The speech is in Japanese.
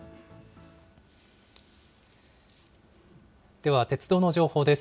では鉄道の情報です。